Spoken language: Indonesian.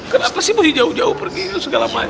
kenapa sih masih jauh jauh pergi segala macam